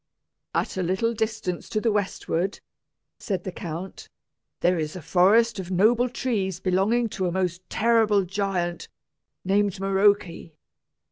"At a little distance to the westward," said the count, "there is a forest of noble trees belonging to a most terrible giant, named Maroke.